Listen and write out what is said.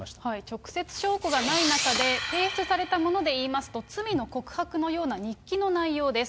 直接証拠がないで中で、提出されたものでいいますと、罪の告白のような日記の内容です。